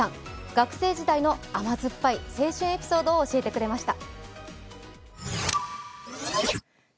学生時代の甘酸っぱい青春エピソードを教えてくれました。